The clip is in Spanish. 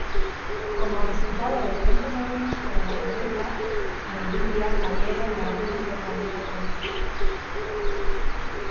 Como resultado del lento movimiento de la tormenta, de lluvia cayeron en algunas localidades.